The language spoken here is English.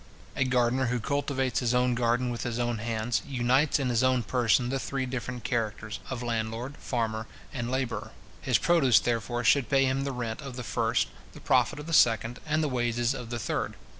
A gardener who cultivates his own garden with his own hands, unites in his own person the three different characters, of landlord, farmer, and labourer. His produce, therefore, should pay him the rent of the first, the profit of the second, and the wages of the third.